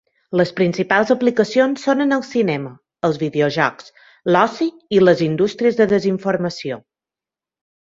Les principals aplicacions són en el cinema, els videojocs, l'oci i les indústries de desinformació.